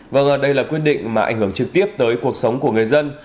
vâng đây là quyết định mà ảnh hưởng trực tiếp tới cuộc sống của người dân